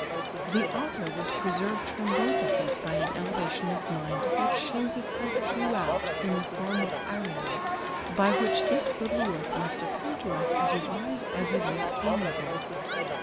The author was preserved from both of these by an elevation of mind that shows itself throughout in the form of irony, by which this little work must appear to us as wise as it is amiable.